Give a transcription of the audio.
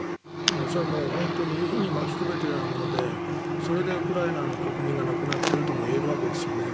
それは本当に火にまきをくべているもんでそれでウクライナの国民が亡くなっているとも言えるわけですよね。